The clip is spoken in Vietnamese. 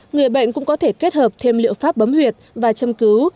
người bệnh cũng có thể kết hợp thêm liệu pháp bấm huyệt và châm cứu